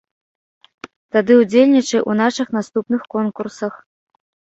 Тады удзельнічай у нашых наступных конкурсах!